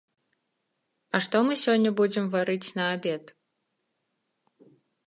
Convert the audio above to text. А што мы сёння будзем варыць на абед?